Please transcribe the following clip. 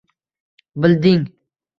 Bilding: